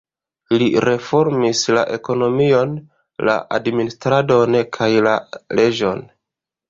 Li reformis la ekonomion, la administradon kaj la leĝon.